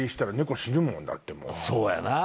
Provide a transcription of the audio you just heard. そうやな。